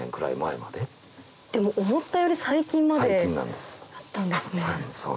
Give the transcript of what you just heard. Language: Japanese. でも思ったより最近まであったんですね。